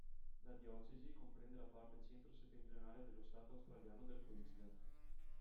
La diocesi comprende la parte centro-settentrionale dello stato australiano del Queensland.